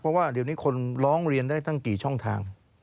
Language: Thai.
เพราะว่าเดี๋ยวนี้คนร้องเรียนได้ตั้งกี่ช่องทาง